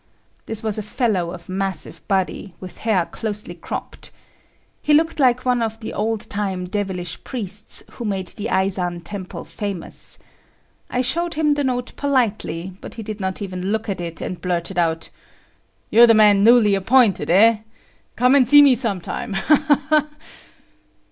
This was a fellow of massive body, with hair closely cropped. He looked like one of the old time devilish priests who made the Eizan temple famous. I showed him the note politely, but he did not even look at it, and blurted out; [Footnote 2: Means the last crop.] "You're the man newly appointed, eh? Come and see me sometime, ha, ha, ha!"